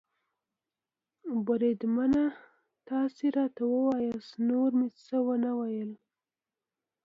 بریدمنه، تاسې راته ووایاست، نور مې څه و نه ویل.